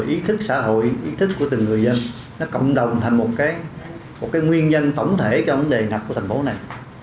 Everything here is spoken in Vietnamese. ý thức xã hội ý thức của từng người dân nó cộng đồng thành một cái nguyên nhân tổng thể cho vấn đề ngập của thành phố này